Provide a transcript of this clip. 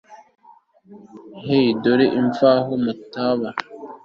hi! dore imvano mutaba